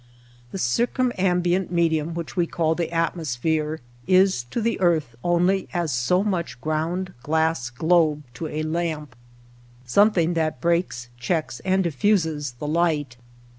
The circumambient medium which we call the atmosphere is to the earth only as so much ground glass globe to a lamp — something that breaks, checks, and diffuses the light.